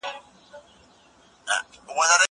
زه به سبا مينه څرګندوم وم!!